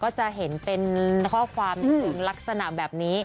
ก็จะเห็นเป็นข้อความถึงลักษณะแบบนี้